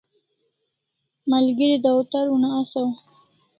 Malgeri dawtar una asaw